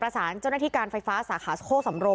สารเจ้าหน้าที่การไฟฟ้าสาขาโคกสำโรง